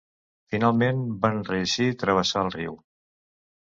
Finalment van reeixir travessar el riu.